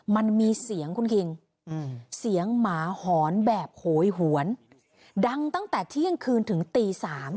มันมีเสียงคุณคิงเสียงหมาหอนแบบโหยหวนดังตั้งแต่เที่ยงคืนถึงตี๓